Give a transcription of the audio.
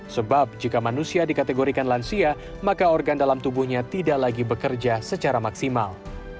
sebab jika manusia dikategorikan lansia maka organ dalam tubuhnya tidak lagi bekerja secara maksimal